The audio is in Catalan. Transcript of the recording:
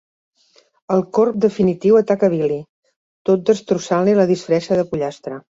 El corb definitiu ataca Billy, tot destrossant-li la disfressa de pollastre.